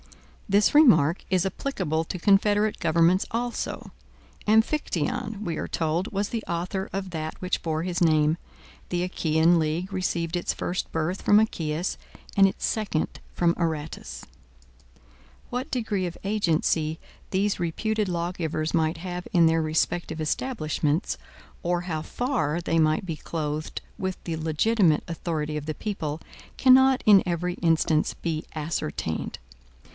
This remark is applicable to confederate governments also. Amphictyon, we are told, was the author of that which bore his name. The Achaean league received its first birth from Achaeus, and its second from Aratus. What degree of agency these reputed lawgivers might have in their respective establishments, or how far they might be clothed with the legitimate authority of the people, cannot in every instance be ascertained.